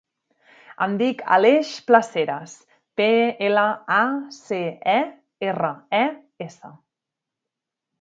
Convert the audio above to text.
Em dic Aleix Placeres: pe, ela, a, ce, e, erra, e, essa.